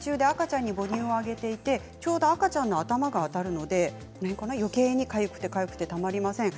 今授乳中で赤ちゃんに母乳をあげてていますがちょうど赤ちゃんの頭が当たるので、よけいにかゆくてかゆくてたまりません。